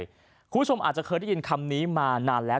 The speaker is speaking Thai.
คุณผู้ชมอาจจะเคยได้ยินคำนี้มานานแล้ว